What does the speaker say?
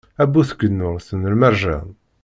A bu tgennurt n lmerjan.